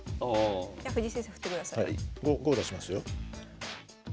５出しますよ。